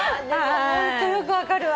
ホントよく分かるわ。